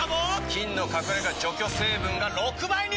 菌の隠れ家除去成分が６倍に！